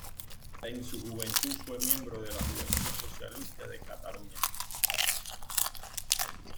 En su juventud fue miembro de la Juventud Socialista de Cataluña.